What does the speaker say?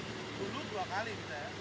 dulu dua kali kita ya